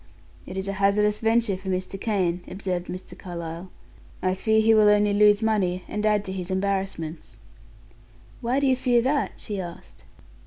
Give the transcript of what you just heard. "It is a hazardous venture for Mr. Kane," observed Mr. Carlyle. "I fear he will only lose money, and add to his embarrassments." "Why do you fear that?" she asked.